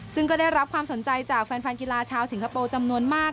ซึ่งก็ได้รับความสนใจจากแฟนกีฬาชาวสิงคโปร์จำนวนมาก